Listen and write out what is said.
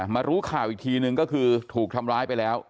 รู้ข่าวอีกทีนึงก็คือถูกทำร้ายไปแล้ว